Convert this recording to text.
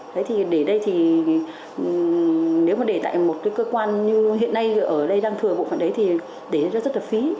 đấy thì để đây thì nếu mà để tại một cơ quan như hiện nay ở đây đang thừa bộ phận đấy thì để ra rất là phí